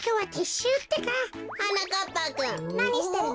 なにしてるの？